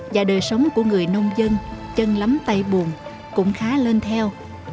và đời sống của người nông dân chân lấm tay buồn cũng khá lên theo